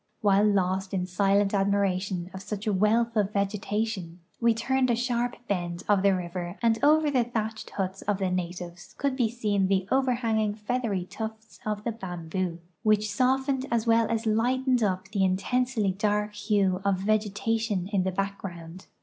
While lost in silent admira tion of such a wealth of vegetation, we turned a sharp bend of the river and over the tliatched huts of the natives could be seen the overhanging feathery tufts of the bamboo, w'hich softened as well as lightened up the intensely dark hue of vege tation in the background.